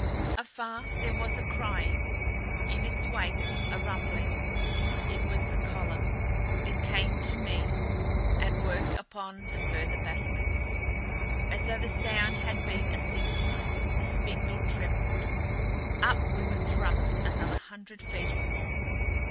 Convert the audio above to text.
Afar there was a crying, in its wake a rumbling. It was the column, it came to me, at work upon the further battlements. As though the sound had been a signal the spindle trembled; up we were thrust another hundred feet or more.